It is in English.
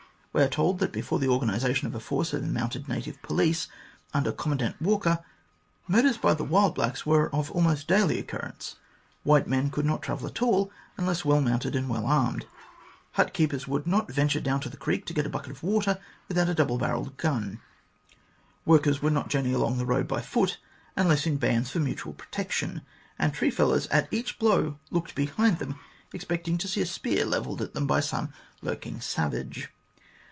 We are told that before the organisation of a force of mounted native police, under Commandant Walker, murders by the wild blacks were of almost daily occurrence : white men could not travel at all unless well mounted and well armed ; hut keepers would not venture down to the creek to get a bucket of water without a double barrelled gun ; workers would not journey along the road on foot unless in bands for mutual protection, and tree fellers at each blow looked behind them, expecting to see a spear levelled at them by some lurking savage.